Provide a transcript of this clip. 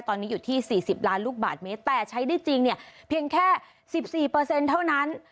ตอนนี้อยู่ที่๔๐ล้านลูกบาทเมตรแต่ใช้ได้จริงเนี่ยเพียงแค่๑๔เท่านั้น